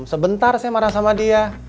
sebentar saya marah sama dia